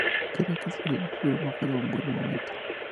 Quería que el cierre del programa fuera en un buen momento.